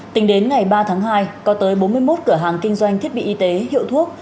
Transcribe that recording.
tính đến ngày ba tháng hai có tới bốn mươi một cửa hàng kinh doanh thiết bị y tế hiệu thuốc